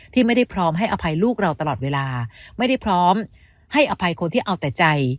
ที่ไม่ได้พร้อมให้อภัยลูกเราตลอดเวลาไม่ได้พร้อมให้อภัยคนที่เอาแต่ใจ